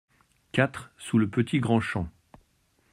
quatre sous Le Petit Grand Champ